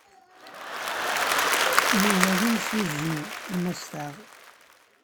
Yuba d imsujji amastaɣ.